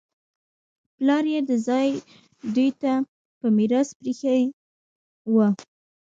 پلار یې دا ځای دوی ته په میراث پرېښی و